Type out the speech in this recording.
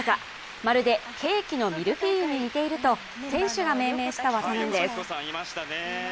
まるでケーキのミルフィーユに似ていると選手が命名した技なんです。